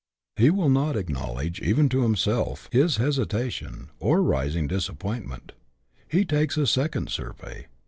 He will not ac knowledge, even to himself, his hesitation, or rising disappoint ment. He takes a second survey.